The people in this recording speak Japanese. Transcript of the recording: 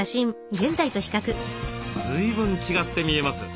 随分違って見えます。